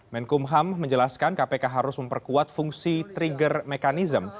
menkumham menjelaskan kpk harus memperkuat fungsi trigger mechanism